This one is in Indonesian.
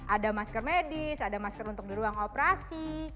ada masker medis ada masker untuk di ruang operasi